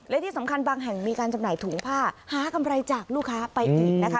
และที่สำคัญบางแห่งมีการจำหน่ายถุงผ้าหากำไรจากลูกค้าไปอีกนะคะ